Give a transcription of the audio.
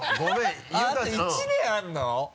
あと１年あるの？